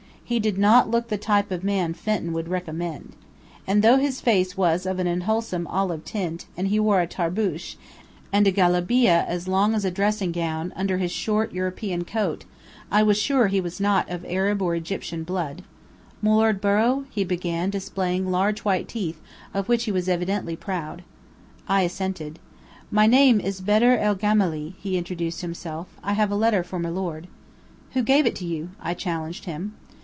He did not look the type of man Fenton would recommend. And though his face was of an unwholesome olive tint, and he wore a tarbush, and a galabeah as long as a dressing gown, under his short European coat, I was sure he was not of Arab or Egyptian blood. "Milord Borrow?" he began, displaying large white teeth, of which he was evidently proud. I assented. "My name is Bedr el Gemály," he introduced himself. "I have a letter for milord." "Who gave it to you?" I challenged him.